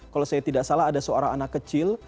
kalau saya tidak salah ada seorang anak kecil